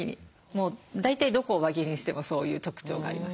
もう大体どこを輪切りにしてもそういう特徴がありますね。